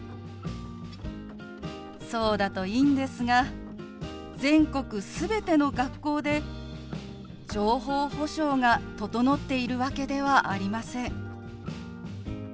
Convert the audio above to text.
そうだといいんですが全国全ての学校で情報保障が整っているわけではありません。